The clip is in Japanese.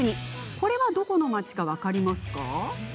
これはどこの街か分かりますか？